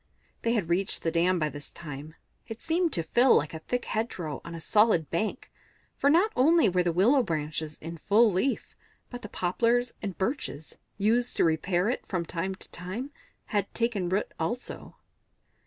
They had reached the dam by this time; it seemed to Phil like a thick hedgerow on a solid bank, for not only were the willow branches in full leaf, but the poplars and birches, used to repair it from time to time, had taken root also.